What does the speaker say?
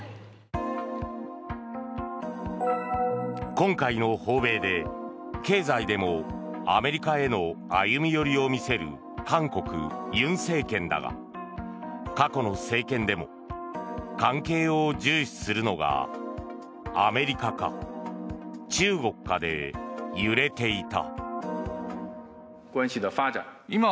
今回の訪米で、経済でもアメリカへの歩み寄りを見せる韓国、尹政権だが過去の政権でも関係を重視するのがアメリカか中国かで揺れていた。